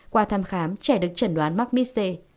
qua thăm khám trẻ được trần đoán mắc mis c